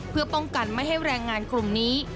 เพื่อป้องกันไม่ให้แรงงานกลุ่มนี้